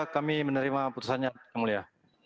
kami menerima putusannya yang mulia